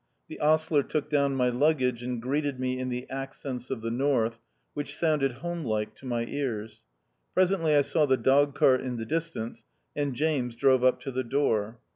The ostler took down my luggage, and greeted me in the accents of the north, which sounded home like to my ears. Presently [ saw the dog cart in the distance, and James drove up to the door.